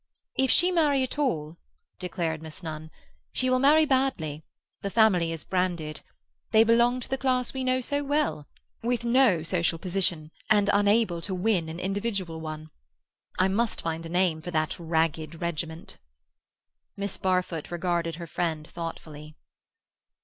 "If she marry at all," declared Miss Nunn, "she will marry badly. The family is branded. They belong to the class we know so well—with no social position, and unable to win an individual one. I must find a name for that ragged regiment." Miss Barfoot regarded her friend thoughtfully.